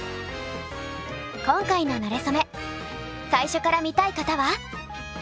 今回の「なれそめ」最初から見たい方は。